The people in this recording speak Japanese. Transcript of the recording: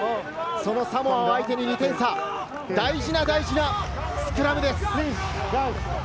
そのサモア相手に２点差、大事なスクラムです。